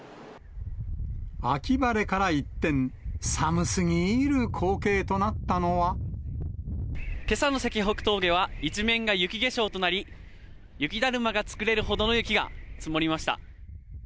秋晴れから一転、けさの石北峠は、一面が雪化粧となり、雪だるまが作れるほどの雪が積もりました。